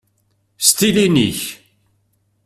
S tilin-ik!